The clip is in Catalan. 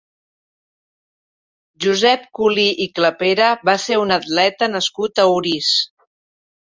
Josep Culí i Clapera va ser un atleta nascut a Orís.